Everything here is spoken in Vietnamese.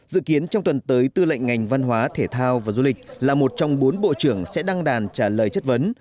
dự kiến trong tuần tới tư lệnh ngành văn hóa thể thao và du lịch là một trong bốn bộ trưởng sẽ đăng đàn trả lời chất vấn